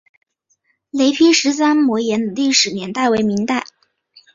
雷劈石山摩崖的历史年代为明代。